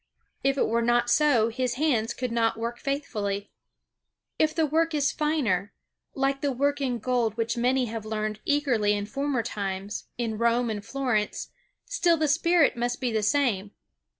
If it were not so his hands could not work faithfully. If the work is finer, like that work in gold which many have learned eagerly in former times, in Rome and Florence, still the spirit must be the same.